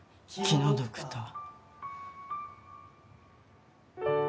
気のドクター。